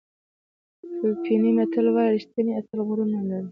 فلپیني متل وایي ریښتینی اتل غرور نه لري.